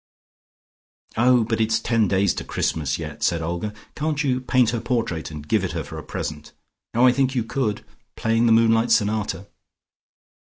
"Oh, but it's ten days to Christmas yet," said Olga. "Can't you paint her portrait, and give it her for a present. Oh, I think you could, playing the Moonlight Sonata."